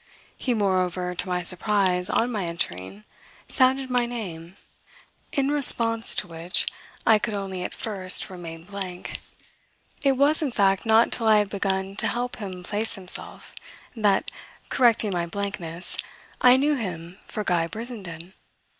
He moreover, to my surprise, on my entering, sounded my name, in response to which I could only at first remain blank. It was in fact not till I had begun to help him place himself that, correcting my blankness, I knew him for Guy Brissenden.